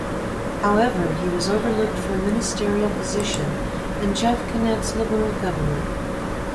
However, he was overlooked for a ministerial position in Jeff Kennett's Liberal government.